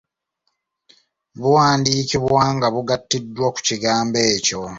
Buwandiikibwa nga bugattiddwa ku kigambo ekyo.